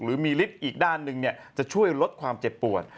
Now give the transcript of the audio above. หรือมีฤทธิ์อีกด้านหนึ่งจะช่วยลดความเจ็บปวด